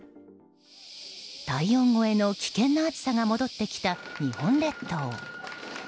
体温超えの危険な暑さが戻ってきた日本列島。